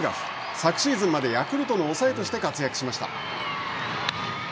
昨シーズンまでヤクルトの抑えとして活躍しました。